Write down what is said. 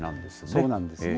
そうなんですね。